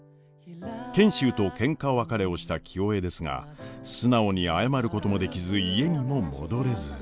賢秀とケンカ別れをした清恵ですが素直に謝ることもできず家にも戻れず。